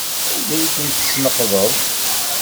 Anda ay ten-tesneqdeḍ?